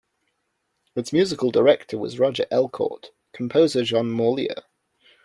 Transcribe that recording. Its musical director was Roger Elcourt, composer Jean Morlier.